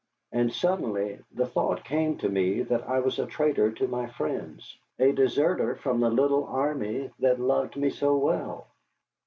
And suddenly the thought came to me that I was a traitor to my friends, a deserter from the little army that loved me so well.